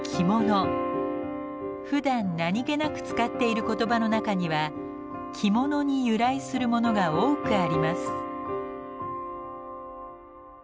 ふだん何気なく使っている言葉の中には「着物」に由来するものが多くあります。